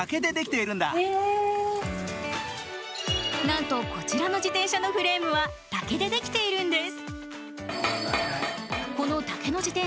なんとこちらの自転車のフレームは、竹でできているんです。